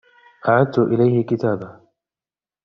أعدت إليه كتابه.